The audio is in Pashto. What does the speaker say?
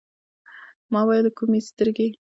ما ویل: کومي سترګي ؟